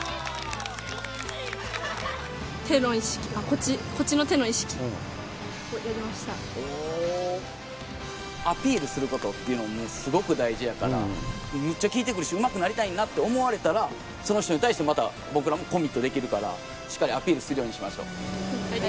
手の意識、こっち、こっちのアピールすることっていうのもすごく大事やから、むっちゃきいてくるし、うまくなりたいなと思われたら、その人に対してまた、僕らもコミットできるから、しっかりアピーはい。